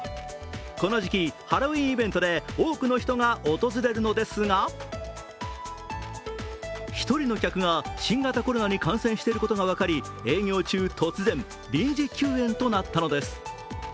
この時期、ハロウィーンイベントで多くの人が訪れるのですが１人の客が新型コロナに感染していることが分かり、営業中、突然、臨時休園となったのです。